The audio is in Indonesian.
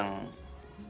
nah nah baik itu